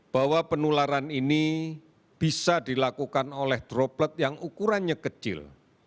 bahwa penularan ini bisa dilakukan oleh droplet yang ukurannya kecil